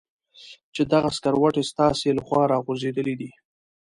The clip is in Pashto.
چې دغه سکروټې ستاسې له خوا را غورځېدلې دي.